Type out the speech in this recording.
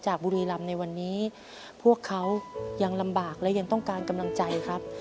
บุรีรำในวันนี้พวกเขายังลำบากและยังต้องการกำลังใจครับ